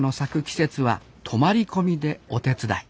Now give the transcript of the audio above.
季節は泊まり込みでお手伝い